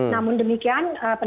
namun demikian penetapan